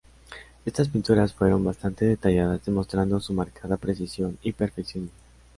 Estas pinturas fueron bastante detalladas, demostrando su marcada precisión y perfeccionismo.